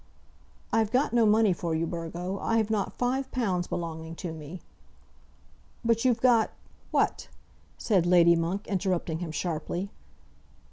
"I've got no money for you, Burgo. I have not five pounds belonging to me." "But you've got ?" "What?" said Lady Monk, interrupting him sharply.